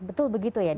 betul begitu ya dok